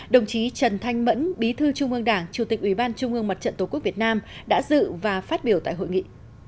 đồng chí trần thanh mẫn bí thư trung ương đảng chủ tịch ủy ban trung ương mặt trận tổ quốc việt nam đã dự và phát biểu tại hội nghị